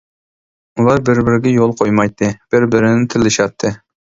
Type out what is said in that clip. ئۇلار بىر-بىرىگە يول قويمايتتى، بىر-بىرىنى تىللىشاتتى.